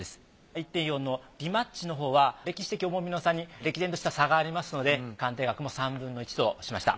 １．４のリマッチのほうは歴史的重みの差に歴然とした差がありますので鑑定額も３分の１としました。